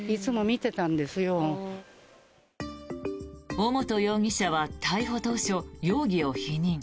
尾本容疑者は逮捕当初、容疑を否認。